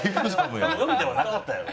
緑ではなかったやろ。